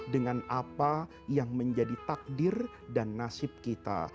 dengan apa yang menjadi takdir dan nasib kita